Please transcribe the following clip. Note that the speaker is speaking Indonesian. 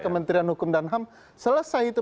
kementerian hukum dan ham selesai itu